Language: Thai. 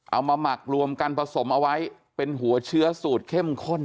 หมักรวมกันผสมเอาไว้เป็นหัวเชื้อสูตรเข้มข้น